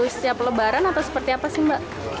setiap lebaran atau seperti apa sih mbak